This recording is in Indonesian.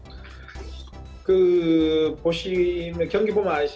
kita belum memiliki teknik yang memiliki